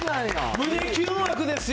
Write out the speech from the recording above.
胸キュン枠ですよ。